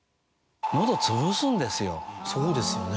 そうですよね。